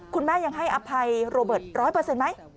คุณแม่ยังให้อภัยโรเบิร์ตร้อยเปอร์เซ็นต์ไหม